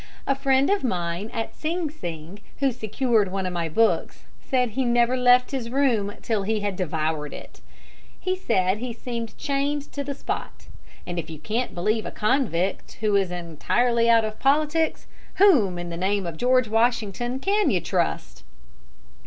A friend of mine at Sing Sing, who secured one of my books, said he never left his room till he had devoured it. He said he seemed chained to the spot; and if you can't believe a convict who is entirely out of politics, whom, in the name of George Washington, can you trust?